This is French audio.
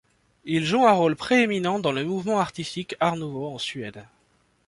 Il joue un rôle prééminent dans le mouvement artistique Art nouveau en Suède.